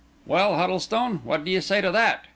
"Well, Huddlestone, what do you say to that?"